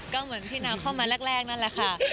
ก็เหมือนพี่นาวเข้ามาแรกนั่นแหละค่ะ